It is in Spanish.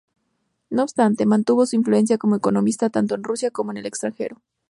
No obstante, mantuvo su influencia como economista tanto en Rusia como en el extranjero.